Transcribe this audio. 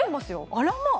あらまあ！